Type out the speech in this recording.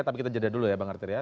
tapi kita jeda dulu ya bang arteria